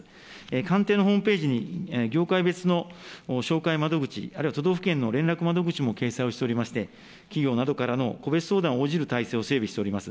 官邸のホームページに、業界別の紹介窓口、あるいは都道府県の連絡窓口も掲載をしておりまして、企業などからの個別相談に応じる体制を整備しております。